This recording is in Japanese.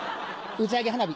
打ち上げ花火。